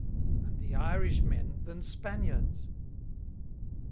And the Irish men, than Spaniards?